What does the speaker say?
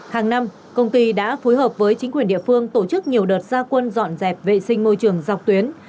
hàng năm công ty đã phối hợp với chính quyền địa phương tổ chức nhiều đợt gia quân dọn dẹp vệ sinh môi trường dọc tuyến